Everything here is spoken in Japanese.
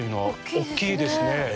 大きいですね。